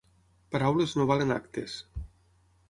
Paraules no valen actes.